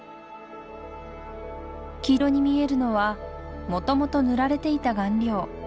黄色に見えるのはもともと塗られていた顔料。